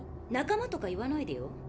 仲間とか言わないでよ。